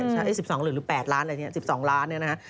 ใช่๑๒หรือ๘ล้านอะไรอย่างนี้๑๒ล้าน